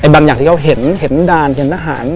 บางอย่างที่เขาเห็นด่านเห็นทหาร